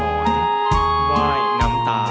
ว่ายว่ายหน้ามตา